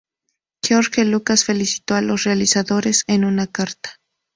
George Lucas felicitó a los realizadores en una carta.